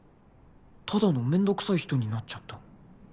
ただのめんどくさい人になっちゃった